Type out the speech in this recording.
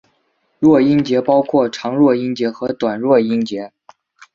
弱音节包括长弱音节和短弱音节。